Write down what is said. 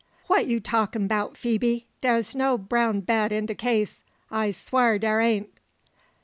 "Wha you talkin 'bout, Phoebe? Dar's no brown Bet in de case. I swar dar ain't."